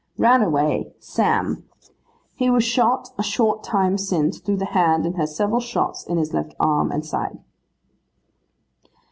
'Ran away, Sam. He was shot a short time since through the hand, and has several shots in his left arm and side.